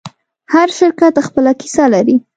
هر شرکت خپله کیسه لري.